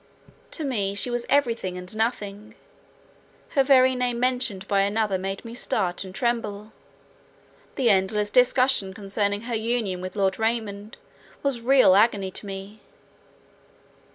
To me she was everything and nothing; her very name mentioned by another made me start and tremble; the endless discussion concerning her union with Lord Raymond was real agony to me.